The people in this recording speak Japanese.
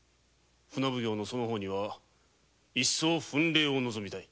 船奉行のその方には一層の奮励を望みたい。